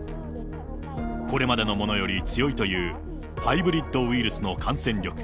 これまでのものより強いというハイブリッドウイルスの感染力。